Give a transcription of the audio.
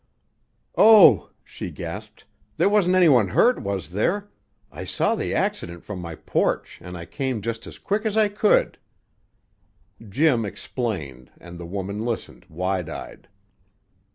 "Oh!" she gasped. "There's wasn't anyone hurt, was there? I saw the accident from my porch, and I came just as quick as I could." Jim explained, and the woman listened, wide eyed.